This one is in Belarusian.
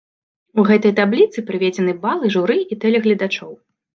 У гэтай табліцы прыведзены балы журы і тэлегледачоў.